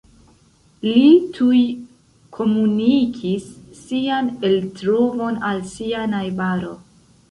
Li tuj komunikis sian eltrovon al sia najbaro.